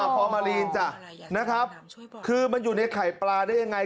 พอมาลีนจ้ะนะครับคือมันอยู่ในไข่ปลาได้ยังไง